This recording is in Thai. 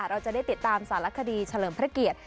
เราจะได้ติดตามสารคดีเฉลิมพระเกียรติ